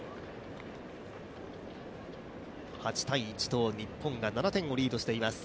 ８−１と日本が７点をリードしています。